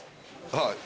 はい。